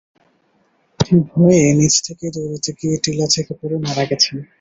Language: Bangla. তিনি ভয়ে নিজ থেকেই দৌড়াতে গিয়ে টিলা থেকে পড়ে মারা গেছেন।